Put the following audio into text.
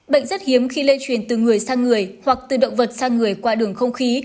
bệnh rất hiếm khi lây truyền từ người sang người hoặc từ động vật sang người qua đường không khí